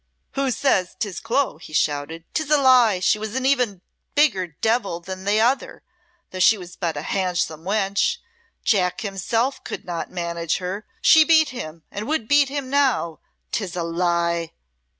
"Who says 'tis Clo?" he shouted. "'Tis a lie! She was ever a bigger devil than any other, though she was but a handsome wench. Jack himself could not manage her. She beat him, and would beat him now. 'Tis a lie!"